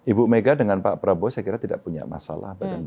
ibu mega dengan pak prabowo saya kira tidak punya masalah